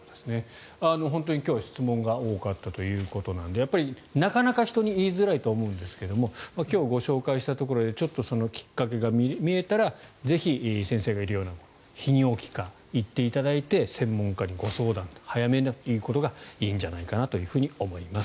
本当に今日は質問が多かったということなのでやっぱりなかなか人に言いづらいと思うんですが今日ご紹介したところでちょっときっかけが見えたらぜひ先生がいるような泌尿器科に行っていただいて専門家にご相談と早めにということがいいんじゃないかなと思います。